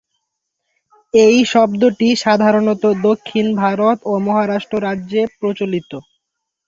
এই শব্দটি সাধারণত দক্ষিণ ভারত ও মহারাষ্ট্র রাজ্যে প্রচলিত।